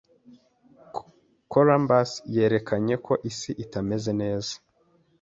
Columbus yerekanye ko isi itameze neza.